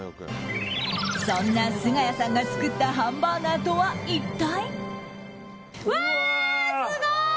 そんな菅谷さんが作ったハンバーガーとは、一体？